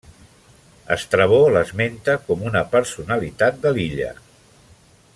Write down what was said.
Estrabó l'esmenta com una personalitat de l'illa.